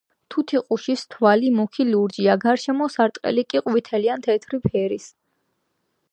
თუთიყუშის თვალი მუქი ლურჯია, გარშემო სარტყელი კი ყვითელი ან თეთრი ფერის.